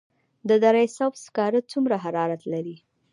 د دره صوف سکاره څومره حرارت لري؟